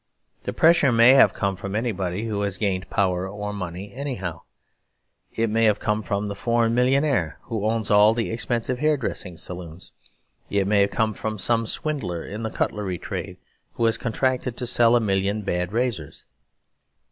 The pressure may have come from anybody who has gained power or money anyhow. It may come from the foreign millionaire who owns all the expensive hairdressing saloons; it may come from some swindler in the cutlery trade who has contracted to sell a million bad razors.